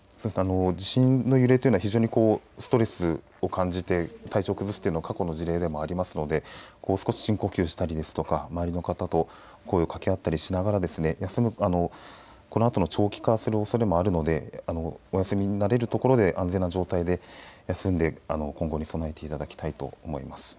地震の揺れというのは非常にストレスを感じて体調を崩すことが過去の事例でもありますので少し深呼吸したりですとか周りの人と声をかけ合ったりしながらこのあと長期化するおそれもあるのでお休みになれる所で安全な状態で休んで今後に備えていただきたいと思います。